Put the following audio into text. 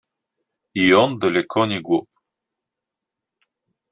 И он далеко не глуп.